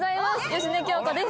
芳根京子です。